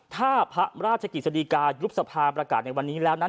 ถ้าพระราชกิจสดีกายุบสภาประกาศในวันนี้แล้วนั้น